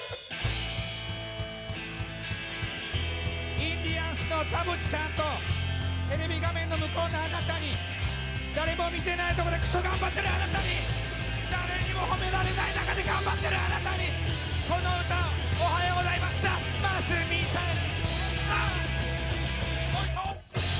インディアンスの田渕さんと、テレビ画面の向こうのあなたに、誰も見てないところでくそ頑張っているあなたに誰にも褒められない中で頑張ってるあなたにこの歌を、おはようございます、ザ・マスミサイル！